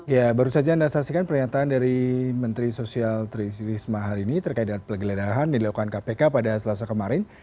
ya baru saja anda saksikan pernyataan dari menteri sosial tririsma hari ini terkait dengan penggeledahan yang dilakukan kpk pada selasa kemarin